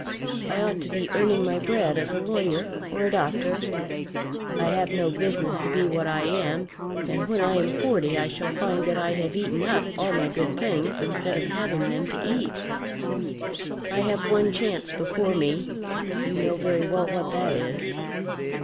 I ought to be earning my bread as a lawyer or a doctor. I have no business to be what I am, and when I am forty I shall find that I have eaten up all my good things instead of having them to eat. I have one chance before me. You know very well what that is.